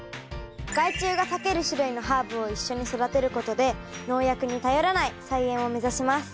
害虫が避ける種類のハーブを一緒に育てることで農薬に頼らない菜園を目指します。